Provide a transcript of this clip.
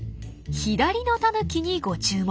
左のタヌキにご注目！